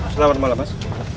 selamat malam mas